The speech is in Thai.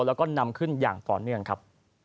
แล้วก็นำขึ้นอย่างต่อเนื่องครับ